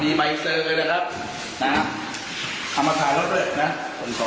มีใบเซอร์เลยนะครับเอามาถ่ายรถเลยนะส่วน๒แค่นี้นะครับ